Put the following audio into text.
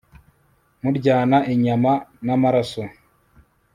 muryana inyama n'amaraso